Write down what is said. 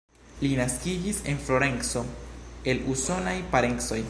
Li naskiĝis en Florenco el usonaj parencoj.